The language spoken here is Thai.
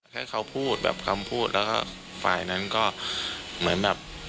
ให้เขาพูดแบบคำพูดแล้วก็ฝ่ายนั้นก็เหมือนแบบ